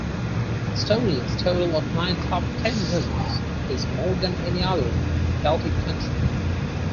Estonia's total of nine top ten results, is more than any other Baltic country.